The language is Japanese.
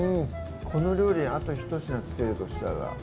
この料理にあとひと品付けるとしたら？